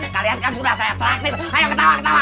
kalian kan sudah saya traktir ayo ketawa ketawa